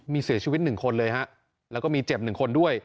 มีเสียชีวิตหนึ่งคนเลยแล้วก็มีเจ็บหนึ่งคนด้วย